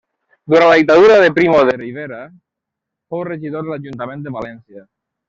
Durant la dictadura de Primo de Rivera fou regidor de l'Ajuntament de València.